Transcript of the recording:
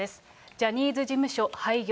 ジャニーズ事務所廃業。